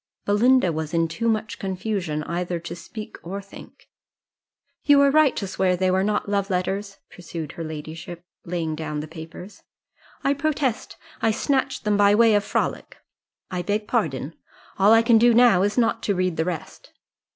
Belinda was in too much confusion either to speak or think. "You were right to swear they were not love letters," pursued her ladyship, laying down the papers. "I protest I snatched them by way of frolic I beg pardon. All I can do now is not to read the rest."